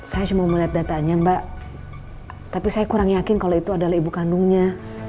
saya cuma melihat datanya mbak tapi saya kurang yakin kalau itu adalah ibu kandungnya